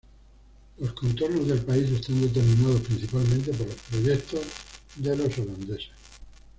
Los contornos del país están determinados principalmente por los proyectos de los holandeses.